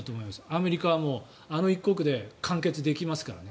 アメリカはあの一国で完結できますから。